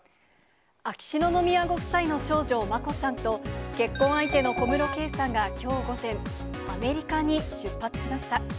秋篠宮ご夫妻の長女、眞子さんと結婚相手の小室圭さんがきょう午前、アメリカに出発しました。